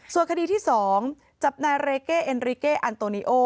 ส่วนคดีที่๒จับนายเรเก้เอ็นริเกอันโตนิโอ